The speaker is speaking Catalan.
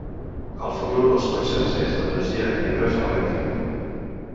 El futur dels cotxes és l'energia Hydrogen Electric.